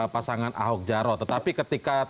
pasangan ahok jarot tetapi ketika